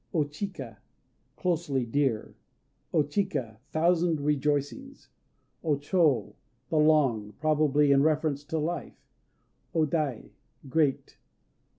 O Chika "Closely Dear." O Chika "Thousand Rejoicings." O Chô "The Long," probably in reference to life. O Dai "Great."